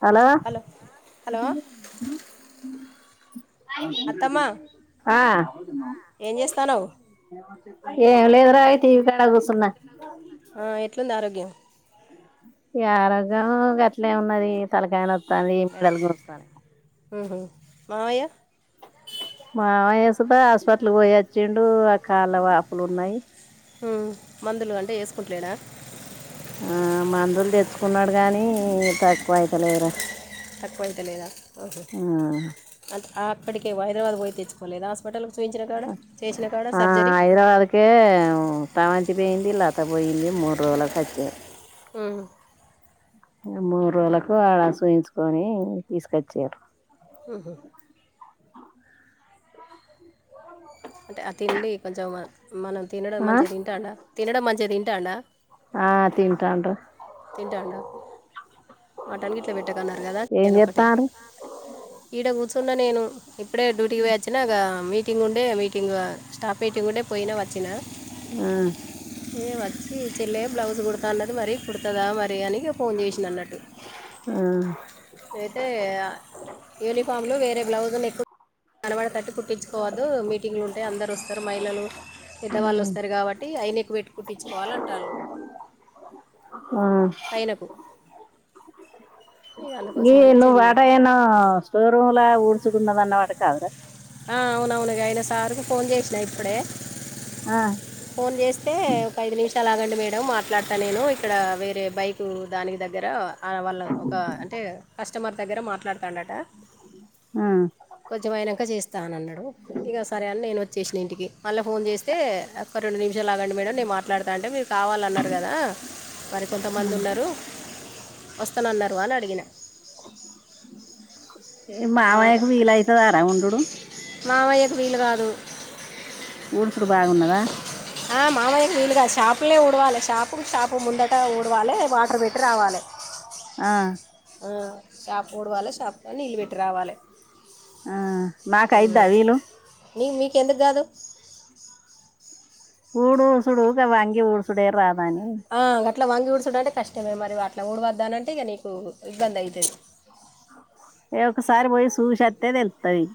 Hello hello hello అత్తమ్మ ఆ ఏం చేస్తానవు ఏం లేదు రా ఈ టీవీ కాడ కూసున్నా ఆ ఎట్లుంది ఆరోగ్యం ఇగ ఆరోగ్యం గట్లే ఉన్నది తలకాయ నోత్తంది మెడల్ గురస్తన్నయ్ మ్మ్ హ్మ్ మామయ్య మావయ్యసుత హాస్పటల్కు పోయి వచ్చిండు ఆ కాళ్ళ వాపులున్నాయి మ్మ్ మందులు అంటే ఏసుకుంట్లేడా ఆ మందులు తెచ్చుకున్నడు గానీ తక్కువ అయితలేద్రా తక్కువ అయితలేదా ఓహో అంటే ఆ అక్కడికే హైదరాబాద్ పోయి తెచ్చుకోలేదా హాస్పిటల్ కు ఆ హైదరాబాద్కే స్రవంతిపోయింది లత పోయింది మూడ్రోజులకు వచ్చిరు మ్మ్ ఇగ మూడ్రోలకు ఆడ చూయించుకొని తీసుకొచ్చిర్రు మ్మ్ హ్మ్ అంటే ఆ తిండి కొంచెం మనం తినడం ఆ మంచిగా తింటాండా తినడం మంచిగా తింటాండా ఆ తింటాండ్ర తింటాడా మటన్ గిట్లా పెట్టకన్నారు కదా చికనొక్కటే చేత్తాండ్రు ఈడ కూర్చు తూన్న నేను ఇప్పుడే డ్యూటీకి పోయొచ్చిన గా మీటింగ్ ఉండే మీటిం ఇగ స్టాప్ మిటింగుండె పోయినా వచ్చిన ఆ ఏ వచ్చి చెల్లె బ్లౌజు గుడత్ తా అన్నది మరీ కుడుతదా మరి అని ఇగ ఫోన్ చేశ్ నన్నట్టు ఆ అయితే ఆ యూనిఫామ్లు వేరే బ్లౌజ్ లు నెక్కు [inaudible] కనపడెతట్టు కుట్టిచ్చుకోవద్దూ మీటింగ్లుటయి అందరు వస్త్ తరు మహిళలు పెద్దవాళ్ళొస్తరు గాబట్టీ హై నెక్కు పెట్టి కుట్టిచ్చుకోవాలంటాన్లు. ఆ ఆ పైనకు ఇక ఈ అందుకోసమనే నువ్వు చెల్లి అటా ఏడ్నో స్టోర్ రూమ్ లా ఊడ్చుడున్నద అన్నవట కదరా. ఆ అవునవును గాయన సారుకు ఫోన్ చేశినా ఇప్పుడే. ఆ, ఫోన్ చేస్తే ఒక ఐదు నిమిషాలాగండి మేడ్ డం మాట్లాడతా నేనూ ఇక్కడా వేరే బైకూ దానికి దగ్గరా ఆ వాళ కా అంటే కస్టమర్ దగ్గర మాట్లాడ్ తాండటా ఆ, కొంచమైనంక చేస్తా అన్న్నడూ ఇగా సరే అని నేను వచ్చేశ్ మళ్ళా ఫోన్ చేస్తే ఒక్క రెండు నిమిషాలులాగండి మేడం నేను మాట్లాడుతా అంటే మీరు కావాలన్నారు గదా. మరి ఆ. కొంతమంది ఉన్నరూ వస్తనన్నరు అని అడిగిన. ఏ ఆ, మామయ్యకు వీలయితదారా ఉండుడు. మావయ్యకు వీలు గాదు ఊడ్చుడు బాగున్నదా ఆ మావయ్యకు వీలుగాదు షాప్ పులే ఊడవాలే షాపు షాపు ముందటా ఊడవాలే వాటర్ పెట్టి రావాలే. ఆ ఆ షాపు ఊడవాలే షాప్ లా నీళ్ళు పెట్టి రావాలే. ఆ మాక్ అయిద్దా వీలు నీ నీకెందుక్ గాదు ఊడు ఊడుసుడూ గా వంగి ఊడుసుడే రాదనీ. ఇట్ల వంగి ఊడుచుడంటే కష్టమే మరి అట్లా ఊడవద్దనంటే ఇగ నీకు ఇబ్బంద్ అయితది. ఏ ఒకసారి పోయి సూశత్తే తెళ్తుతదీ.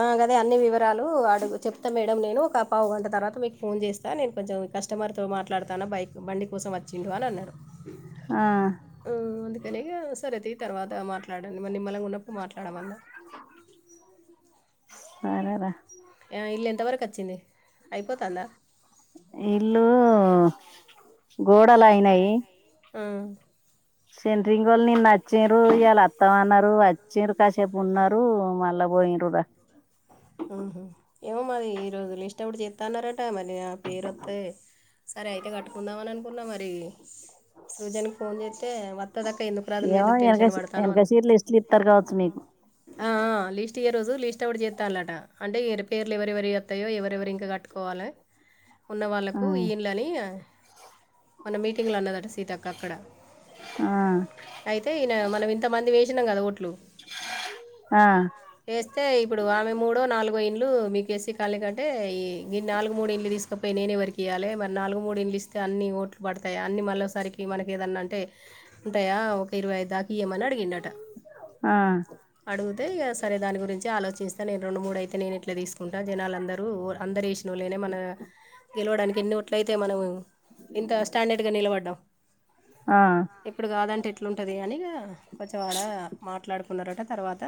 ఆ గదే అన్ని వివరాలూ అడుగు చెప్త మేడం నేనూ ఒక పావు గంట తర్వాత మీకు ఫోన్ చేస్తా నేను కొంచెం. కస్టమర్తో మాట్లాడుతానా బైక్ బండి కోసం వచ్చిండూ అని అన్నడు. ఊ అందుకని ఇగా సరే తీ తర్వాత మాట్లాడండి మర్ నిమ్మలంగ ఉన్నప్పుడు మాట్లాడ మన్నా సరేరా ఆ ఇల్లు ఎంత వరకు వచ్చింది. అయిపోతుందా ఇల్లూ గోడలు అయినయి. ఆ సెంట్రింగోళ్ళ్ నిన్ను అచ్చిన్రు ఇయాళ వత్తమన్నరూ అచ్చిర్రు కాసేపు ఉన్నరూ మళ్ళ పొయిన్రు రా ఊహు ఏమో మరి ఈ రోజు లిస్ట్ ఔట్ చెత్తాన్నారటా మరి నా పేరు చెత్తే. సరే అయితే కట్టుకుందామని అనుకున్నా మరీ సుజన్కి ఫోన్ చేత్తే వత్ వత్తద్ అక్కా ఎందుకు రాద్ నువ్వు ఏమో ఎందుకు వెనక టెన్షన్ పడతానవ్ వెనక అన్న సీట్లు లిస్టులు ఇస్తారు కావచ్చు మీకు ఆ ఆ లిస్ట్ టీఏ రోజు లిస్ట్ అవుట్ చేత్ త్తాన్లటా అంటే ఇగ రేప్ పేర్లు ఎవరెవరి వత్తయో ఎవరెవరు ఇంక కట్టుకోవాలే. ఉన్నవాళ్ళకూ ఈ ఇన్ ళ్ళనీ ఆ మొన్న మీటింగ్లో అన్నదట సీతక్క అక్కడా. ఆ అయితే ఈయనా మనం ఇంత మందిమి ఏశి శినం గదా ఓట్లు. ఆ ఏస్తే ఇప్పుడ్ ఆమె మూడో నాలుగో ఇండ్లు మీకుసి కళీ కంటే ఈ నాలుగు మూడు ఇంలు తీసుకపోయి నేనే ఎవరికి ఇయాలి మరి నాలుగు మూడు ఇంలిస్తే అన్ని ఓట్లు పడతాయి అన్ని మళ్ళసారికి మనకిదన్నా ఉంటాయా ఒక ఇరవై ఐదు దాకా ఇయ్యమని అడిగిండట ఆ అడుగితే ఇక సరే దాని గురించి ఆలోచిస్తే నేను రెండు మూడు అయితే నేను ఇట్లా తీసుకుంటా జనాలుందరూ అందరు వేసినోళ్ళనే మన గెలవడానికి ఎన్ని ఓట్లయితే మనం ఇంత స్టాండర్డ్గా నిలబడ్డాం ఆ ఆ ఇప్పుడు కాదంటే అట్లాంటది అని కొంచె ఆడ మాట్లాడుకున్నారట తర్వాత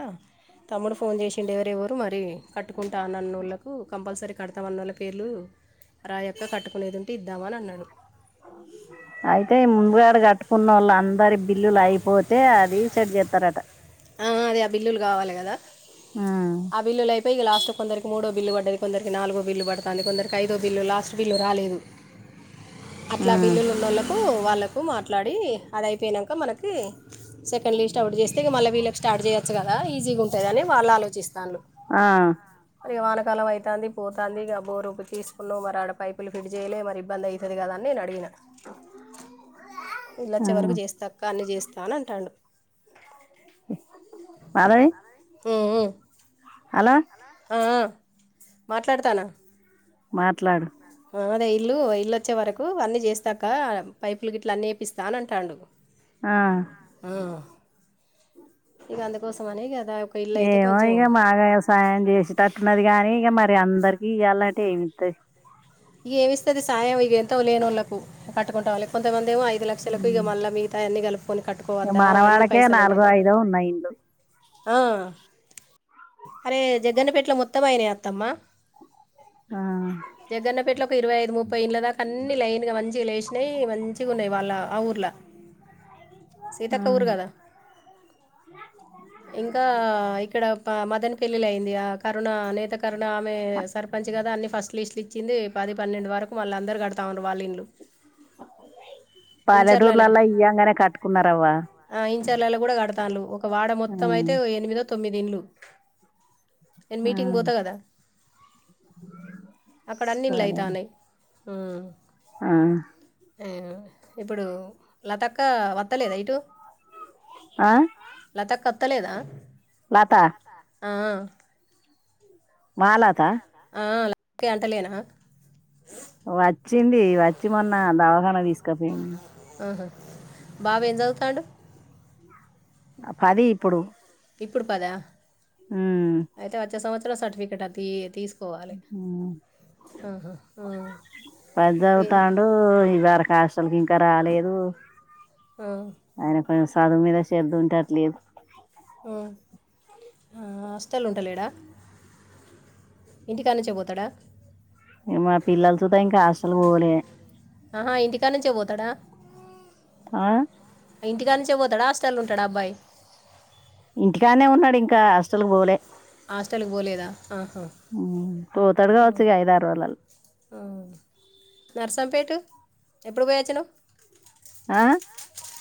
తమ్ముడు ఫోన్ చేసిండే వరేవరు మరి కట్టుకుంటూ ఆన్నన్న వాళ్ళకు కంపల్సరీ కడతామన్న వాళ్ళ పేర్లు రాయక్క కట్టుకునేది ఉంటే ఇద్దామని అన్నాడు అయితే ఈ ముందుగాడ కట్టుకున్న వాళ్ళు అందరి బిల్లులు అయిపోతే అది చెడ్ చేతారాట ఆ అది ఆ బిల్లులు కావాలి కదా ఉమ్, ఆ బిల్లులు అయిపోయి ఇగ లాస్ట్ కొందరికి మూడో బిల్లు పడ్డది కొందరికి నాలుగో బిల్లు పడుతంది కొందరికి ఐదో బిల్లు లాస్ట్ బిల్లు రాలేదు అట్లా ఉమ్, బిల్లులు ఉన్నోళ్లకు వాళ్లకు మాట్లాడి అడైపోయినక మనకి సెకండ్ లిస్ట్ అవుట్ చేస్తే ఇగ మల్ల వీళ్ళకి స్టార్ట్ చేయచ్చు గదా ఈజీగా ఉంటుదని వాళ్ళ ఆలోచిస్తాన్లు ఆ మరి వానకాలం అయితంది పోతంది ఇక బోరు తీసి కొన్నావ్ మరి ఆడ పైపులు ఫిట్ చేయలే మరి ఇబ్బంది అయితది గదా అని నేను అడిగిన ఆ. ఇళ్లాచ్చే వరకు చేస్తా అక్క అన్ని చేస్తా అని అంటడు మాధవి ఉమ్, ఉమ్. హలో ఆ ఆ మాట్లాడతాన్న మాట్లాడు మాదే ఇల్లు ఇళ్ళచే వరకు అన్నీ చేస్తాక్క పైపులు గిట్ల అన్ని ఎపిస్తా అని అంటాండు ఆ గందు కోసమనే గదా ఏమో ఇక మాగ వ్యవసాయం చేసేటట్టునది కానీ ఇక మరి అందరికి ఇయ్యాలంటే ఏం ఇత్తది ఇక ఏమి ఇస్తాది సాయం ఇక ఎంతో లేని వాళ్ళలకు పట్టుకుంటా పోవాలి కొంతమంది ఐదు లక్షలకు ఇగ మల్ల మిగతావి అన్ని కలుపు మనవాడకే నాలుగో ఐదో ఉన్నాయి ఇండ్లు ఆ. అరే జగ్గన్నపేట్లో మొత్తం అయినాయి అత్తమ్మా ఆ, జగ్గన్నపేట్ ఇరవై ఐదు ముప్పై ఇండ్ల దాకా అన్ని లైన్గా మంచిగా లేసినయి మంచిగా ఉన్నాయి వాళ్ళ ఆ ఊర్లో [unintelligible] ఆ. సీతక్క ఊరు కదా ఇంకా ఇక్కడ పెళ్లిల అయింది ఆ కరుణ నేత కరుణ ఆమె సర్పంచ్ కదా అన్ని ఫస్ట్ లిస్ట్లు ఇచ్చింది పది పన్నెండు వరకు మళ్ళ అందరు కడతా ఉన్నారు వాళ్ళిండ్లు పల్లెటూర్లలా ఇయ్యంగానే కట్టుకున్నారవ్వ జడ్చర్లలో కూడా కడతాన్లు ఒక వాడ మొత్తం ఉమ్. అయితే ఎనిమిదో తొమ్మిది ఇండ్లు నేను ఆ మీటింగ్ పోతా కదా అక్కడ అన్ని ఇండ్లు సరే అయితన్నాయి ఆ ఆ ఇప్పుడు లతక్క వత్తలేదా ఇటు ఆ అత్తలేదా నాతా ఆ మాలతా ఆ లతే అంతలేనా వచ్చింది వచ్చి మొన్న దవాఖానా తీసుకపోయింది ఆహా బాబు ఎమ్ చదువుతండు పది ఇప్పుడు ఇప్పుడు పదా ఉమ్ అయితే వచ్చే సంవత్సరం సర్టిఫికెట్ అతి తీసు కోవాలే ఉమ్ ఉ హా పది చదువుతండు ఈ సారి కాస్ అతనికి ఇంకా రాలేదు ఆ, ఆయన సదువు మీద సేద్దు ఉంటట్లేదు ఉ హస్టల్ ఉంటలేడా ఇంటి కానుంచే పోతాడా అసలు పోలే ఆహా ఇంటికా నుంచే పోతాడా ఆ ఇంటికా నుంచే పోతాడు హస్టలు ఉంటాడా అబ్బాయి. ఇంటికాన్నే ఉన్నాడు ఇంకా హాస్టల్ బోలే హాస్టల్కి పోలేదా ఆహా ఉ పోతాడు కావచ్చు ఇగ ఐద ఆరు రోజలలో ఆ నర్సంపేటు ఎప్పుడు పోయి వచ్చినవ్ ఆ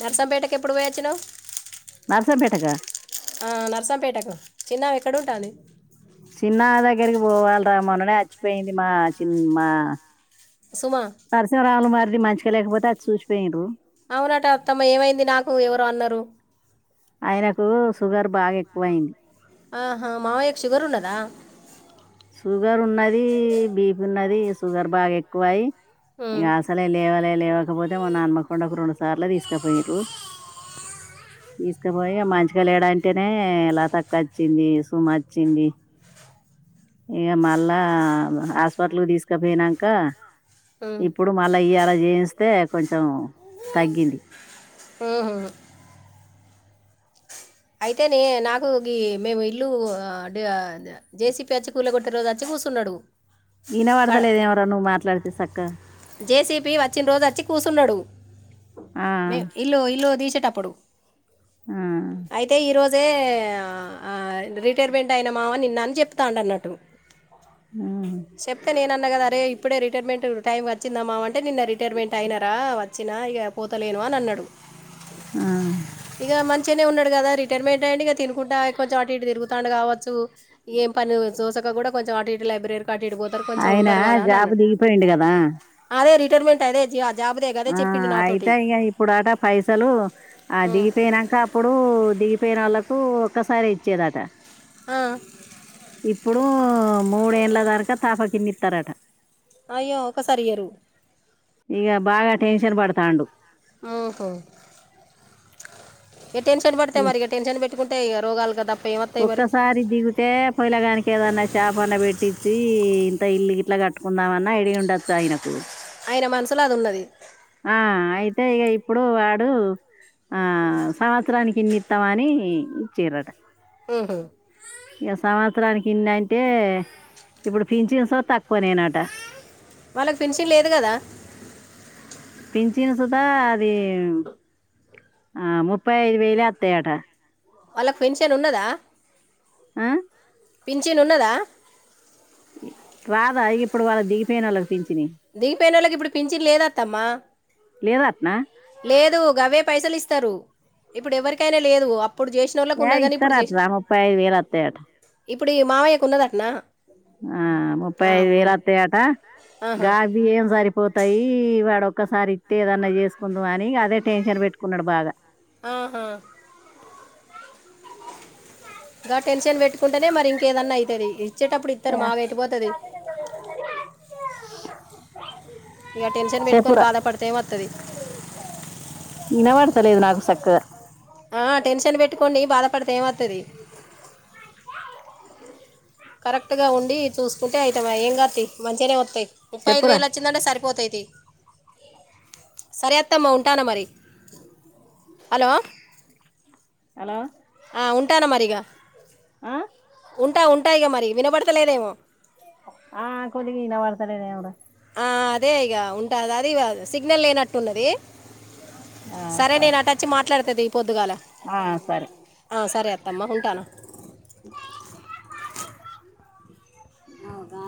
నరసంపేటకి ఎప్పుడు పోయొచ్చినవ్ నర్సంపేటకా ఆ నరసం పేటకు చిన్న ఎక్కడ ఉంటంది చిన్న దగ్గరికి పోవాలిరా మన్ననే వచ్చిపోయింది మా చి మా సుమా పరిశీరాలు మరి మంచిగా లేకపోతే అది చూసిపోయిండ్రు. అవునట అత్తమ్మ ఏమైంది నాకు ఎవరో అన్నారు. ఆయనకు షుగర్ బాగా ఎక్కువ అయింది ఆహా మామయ్యకు షుగర్ ఉన్నదా షుగర్ ఉన్నది బీపీ ఉన్నది షుగర్ బాగా ఎక్కువై ఇగా ఆసలే లేవాలే లేవగ్ కాకపోతే మొన్న హన్మకొండకు రెండు సార్లు తీసకపోయిండ్రు [inaudible] తీసుకపోయి మంచిగా లేడంటేనే లతా కోచ్చింది సుమ వచ్చింది ఇగ మళ్ళా హాస్పిటల్కి తీసుకపోయినాక ఇప్పుడు మళ్ళా ఇయడా చేయిస్తే కొంచెం తగ్గింది ఉహుహు అయితే నే నాకు గి మేము ఇల్లు ఆ డే జేసిపి వచ్చి కూల కొట్టే రోజు వచ్చి కు కుసున్నాడు వినపట్లదేమోరా నువ్వు మాట్లాడితే సక్కగా జేసీపి వచ్చిన రోజు వచ్చి కూసున్నాడు ఆ, మే ఇల్లు లో తీసేటప్పుడు ఆ జే రిటైర్మెంట్ అయిన మామ నిన్న అని చెప్తాండన్నట్టు. చెప్తే నేనన్నా కదా అరే ఇప్పుడే రిటైర్మెంట్ టైమ్ కాద్ వచ్చిందమామ అంటే నిన్న రిటైర్మెంట్ అయినారా వచ్చినా ఇక పోతలేను అని అన్నడు ఆ చనే ఉన్నాడు కదా రటైర్మెంట్ ఐయ్యిండు ఇక తినుకుంట కొంచెం అటు ఇటు తరుగుతాండు కావచ్చు ఇగ ఏం పని తోసక కూడా కొంచెం అటు ఇటు లైబ్రరీ అటిటు పోతారు కొంచెం ఆయన ఉంటారు కదా అని జాబ్ అన్నాడు దిగిపోయిండు కదా అదే రిటైర్మెంట్ అదే జాబ్దే కాద ఆ చెప్పిండు నాతోటి అయితే ఇగ ఇప్పుడట పైసలు ఆ దిగిపోయినాక అప్పుడు దిగిపోయిన వాళ్ళకు కూ ఒక్కసారే ఇచ్చేదట ఆ. ఇప్పుడు మూడేళ్ల దరకా తాప కిన్ని ఇస్తారట అయ్యో ఒకసారి ఇయరు ఇగ బాగా టెన్షన్ బడతాండు ఒహో ఇగ టెన్షన్ పడితే మరి ఇం- ఇగ టెన్షన్ పెట్టుకుంట ఇగ రోగాలు కదాప్ ఒక్కసారి దిగితే పొలగానికి ఏదన్నా షాపు అన్న పెట్టిచి ఈ ఇంత ఇల్లు ఇట్లా కట్టుకుందామన్నా ఐడియ ఉండొచ్చు ఆయనకు ఈన మనసుల అది ఉన్నది ఆ అయితే ఇక ఇప్పుడు వాడు ఆ సంవత్సరానికి ఇన్ని ఇస్తామని ఇచ్చిరట ఉహు ఇగ సంవత్సరానికి ఇంన్నంటే అంటే ఇప్పుడు పింఛన్ సుగ తక్కువనేనట వాళ్ళక్ ఫించిగ్ లేదు కదా పించిన్ సుత అది ఆ ముప్పై ఐదు వేలే అత్తయట వాళ్ళకు పెన్షన్ ఉన్నదా ఆ పించిన్ ఉన్నదా ఇ రాదా ఇగ ఇప్పుడు వాళ్ళ దిగిపోయినోలకు దిగిపోయినోలకు ఇప్పుడు పించిన్ లేదత్తమ్మా లేదా అట్నా లేదు గవే పైసలు ఇస్తరు ఇప్పుడు ఎవరికైనా లేదు అప్ ఇప్పుడు చేసినోళ్ళకి ఏ ఉన్న కాని ఇప్పుడు చేస్ ఇస్తారట్రా ముప్పై ఐదు వేలు వస్తాయట ఇప్పుడు ఈ మావయ్యకు ఉన్నదటనా ఆ ఆ, ముప్పైఐదు ఉంది. వేలతయటా ఆహా గాబి ఏం సరిపోతాయి వాడొక్ ఒక్కసారి ఇస్తే ఏదన్నా చేసుకుందుము అని అదే టెన్షన్ పెట్టుకున్నడు బాగా ఆహా గా టెన్షన్ పెట్టుకుంటేనే మరి ఇంకేదన్నా ఐతది ఇచ్చేటప్పుడు ఇతరు ఏ, మాగెటుపోతది ఇక టెన్షన్ పెట్టుకొని చెప్పురా బాధపడితే ఏమతది తలేదు నాకు సక్కగా తది కరెక్ట్ గా ఉండి చూసుకుంటే అయితమాయే ఏం గ తియ్ మంచిగనే వస్తాయి ముప్పై ఐదు చెప్పురా వేలు వచ్చిందంటే సరిపోతయ్ టి సరే అత్తమ్మ ఉంటానా మరి హలో హలో ఆ ఉంటనా మరి ఇగా ఆ? ఉంటా ఉంటా మరి వినబడతలేదేమో ఆ కొదిగి ఇనవడతలేదేం రా ఆ అదే ఇక ఉంటది అది సిగ్నల్ లేనట్టున్నది సరే నేను అటు వచ్చి మాట్లాడుతది పొద్దుగాల ఆ, సరే ఆ సరే అత్తమ్మా ఉంటానా అవుగా